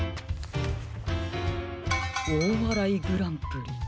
「おおわらいグランプリ」。